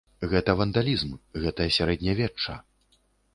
Гэта вандалізм, гэта сярэднявечча.